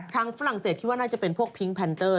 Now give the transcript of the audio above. ฝรั่งเศสคิดว่าน่าจะเป็นพวกพิงแพนเตอร์